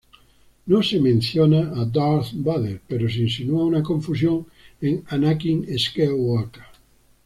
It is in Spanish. No se menciona a Darth Vader, pero se insinúa una confusión en Anakin Skywalker.